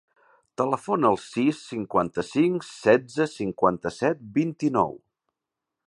Telefona al sis, cinquanta-cinc, setze, cinquanta-set, vint-i-nou.